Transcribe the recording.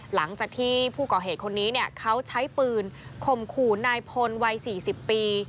หลังจากที่ผู้ก่อเหตุคนนี้เนี่ยเขาใช้ปืนข่มขู่นายพลว์ไว้สี่สิบปี